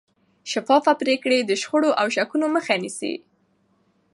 شفافه پرېکړې د شخړو او شکونو مخه نیسي